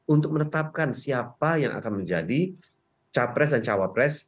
untuk menetapkan siapa yang akan menjadi capres dan cawapres